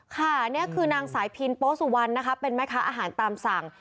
ค่ะนี่คือนางสายพินโปสุวรรณนะคะเป็นแม่ค้าอาหารตามสั่ง